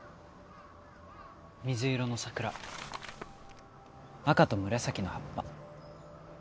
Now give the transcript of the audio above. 水色の桜赤と紫の葉っぱ